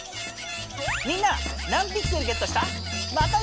みんな何ピクセルゲットした？